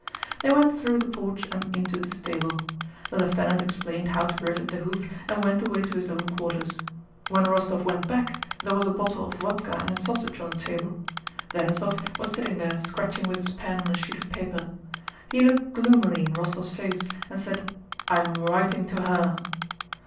They went through the porch and into the stable. The lieutenant explained how to rivet the hoof and went away to his own quarters. When Rostóv went back there was a bottle of vodka and a sausage on the table. Denísov was sitting there scratching with his pen on a sheet of paper. He looked gloomily in Rostóv's face and said: "I am witing to her."